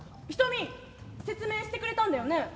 瞳説明してくれたんだよね？